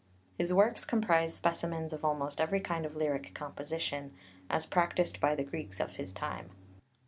His works comprise specimens of almost every kind of lyric composition, as practised by the Greeks of his time.